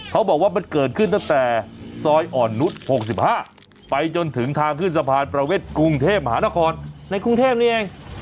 เขาบอกว่ามันเกิดขึ้นตั้งแต่ซอยอ่อนนุษย์๖๕ไปจนถึงทางขึ้นสะพานประเวทกรุงเทพมหานครในกรุงเทพนี้เอง